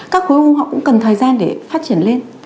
các khối u họ cũng cần thời gian để phát triển lên